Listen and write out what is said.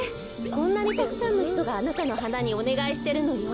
こんなにたくさんのひとがあなたのはなにおねがいしてるのよ。